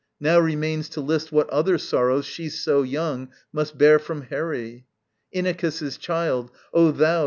Now remains To list what other sorrows she so young Must bear from Herè. Inachus's child, O thou!